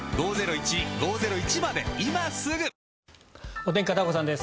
お天気、片岡さんです。